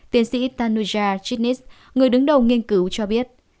tiến sĩ tanuja tritnis người đứng đầu nghiên cứu cho biết